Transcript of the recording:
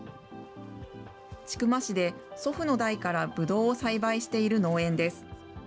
千曲市で祖父の代からぶどうを栽培している農園です。